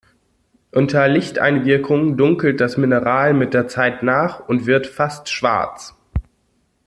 Unter Lichteinwirkung dunkelt das Mineral mit der Zeit nach und wird fast schwarz.